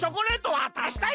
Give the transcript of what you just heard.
わたしたい！